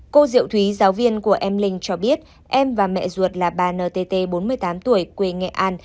cô diệu thúy giáo viên của em linh cho biết em và mẹ ruột là bà ntt bốn mươi tám tuổi quê nghệ an